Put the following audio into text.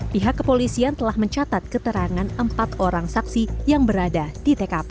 pihak kepolisian telah mencatat keterangan empat orang saksi yang berada di tkp